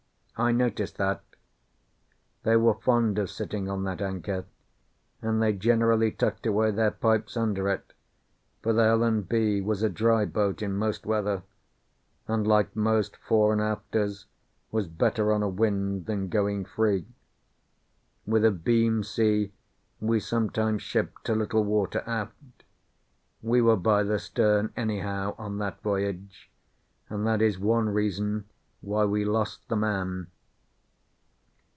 I noticed that. They were fond of sitting on that anchor, and they generally tucked away their pipes under it, for the Helen B. was a dry boat in most weather, and like most fore and afters was better on a wind than going free. With a beam sea we sometimes shipped a little water aft. We were by the stern, anyhow, on that voyage, and that is one reason why we lost the man.